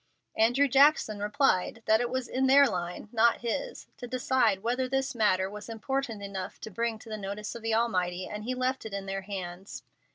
Andrew Jackson replied that it was in their line, not his, to decide whether this matter was important enough to bring to the notice of the Almighty, and he left it in their hands.